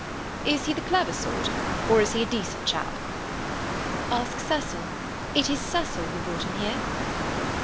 "Is he the clever sort, or is he a decent chap?" "Ask Cecil; it is Cecil who brought him here."